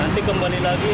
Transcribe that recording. nanti kembali lagi ke